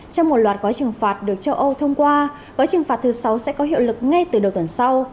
trong một loạt gói trừng phạt được châu âu thông qua gói trừng phạt thứ sáu sẽ có hiệu lực ngay từ đầu tuần sau